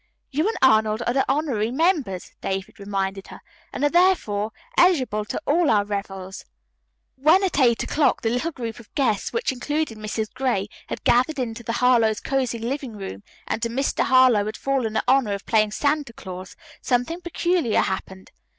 "You and Arnold are the honorary members," David reminded her, "and are, therefore, eligible to all our revels." When, at eight o'clock, the little group of guests, which included Mrs. Gray, had gathered in the Harlowe's cozy living room and to Mr. Harlowe had fallen the honor of playing Santa Claus, something peculiar happened.